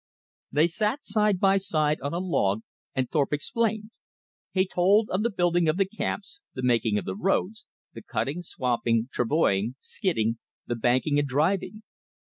They sat side by side on a log, and Thorpe explained. He told of the building of the camps, the making of the roads; the cutting, swamping, travoying, skidding; the banking and driving.